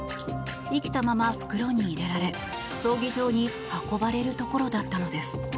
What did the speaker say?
生きたまま袋に入れられ葬儀場に運ばれるところだったのです。